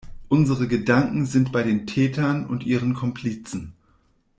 Unsere Gedanken sind bei den Tätern und ihren Komplizen.